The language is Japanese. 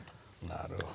なるほど。